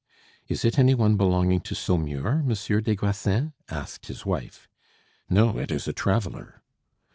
"Is it any one belonging to Saumur, Monsieur des Grassins?" asked his wife. "No, it is a traveller."